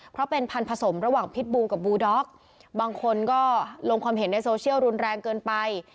เพราะเป็นพันธสมระหว่างพิษบูกับบูด็อกบางคนก็ลงความเห็นในโซเชียลรุนแรงเกินไป